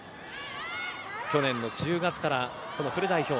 去年の１０月からフル代表